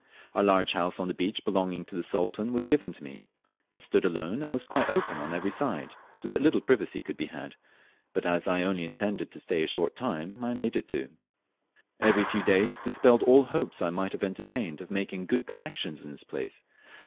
A large house on the beach belonging to the Sultan was given me. It stood alone, and was quite open on every side, so that little privacy could be had, but as I only intended to stay a short time I made it do. Avery, few days dispelled all hopes I might have entertained of making good collections in this place.